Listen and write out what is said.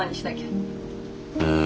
うん。